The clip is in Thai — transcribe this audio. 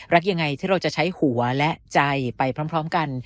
รักยังไงที่เราจะใช้หัวและใจไปพร้อมกัน